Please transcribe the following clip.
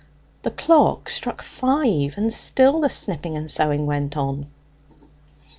The clock struck five, and still the snipping and sewing went on.